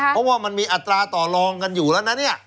เพราะว่ามันมีอัตราต่อรองกันอยู่แล้วนะเนี่ย